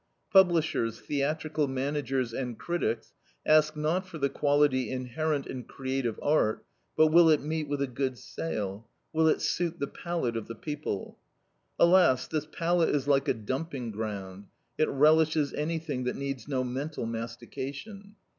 Publishers, theatrical managers, and critics ask not for the quality inherent in creative art, but will it meet with a good sale, will it suit the palate of the people? Alas, this palate is like a dumping ground; it relishes anything that needs no mental mastication.